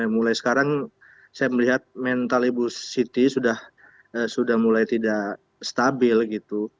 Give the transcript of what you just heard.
mulai sekarang saya melihat mental ibu siti sudah mulai tidak stabil gitu